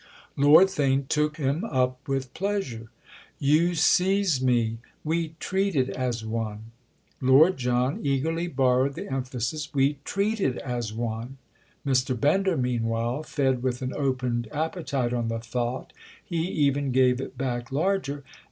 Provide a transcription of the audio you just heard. Lord Theign took him up with pleasure. "You seize me? We treat it as one!" Lord John eagerly borrowed the emphasis. "We treat it as one!" Mr. Bender meanwhile fed with an opened appetite on the thought—he even gave it back larger.